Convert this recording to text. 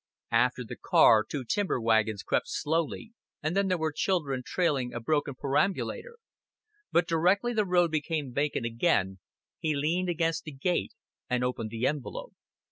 After the car two timber wagons crept slowly, and then there were children trailing a broken perambulator; but directly the road became vacant again, he leaned against a gate and opened the envelope.